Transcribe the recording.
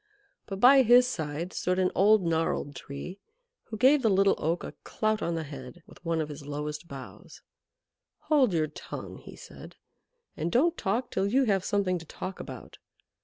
But by his side stood an old gnarled Tree, who gave the Little Oak a clout on the head with one of his lowest boughs. "Hold your tongue," he said, "and don't talk till you have something to talk about.